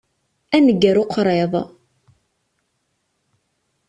A nnger uqriḍ!